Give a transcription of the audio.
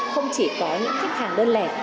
không chỉ có những khách hàng đơn lẻ